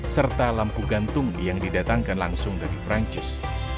serta lampu gantung yang didatangkan langsung dari perancis